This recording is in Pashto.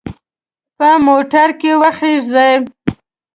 په موټر کې وخیژئ.